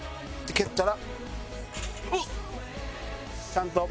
蹴ったら。